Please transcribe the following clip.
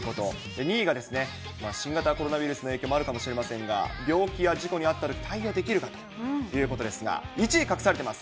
２位がですね、新型コロナウイルスの影響もあるかもしれませんが、病気や事故に遭ったとき、対応できるかということですが、１位、隠されています。